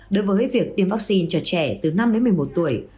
đối với việc tiêm vaccine cho trẻ từ năm đến một mươi một tuổi